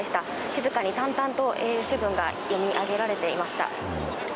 静かに淡々と、主文が読み上げられていました。